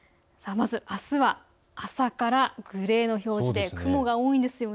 まずあすは朝からグレーの表示、雲が多いんです。